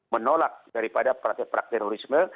menolak daripada praktek praktek terorisme